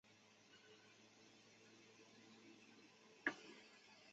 要搭市铁转巴士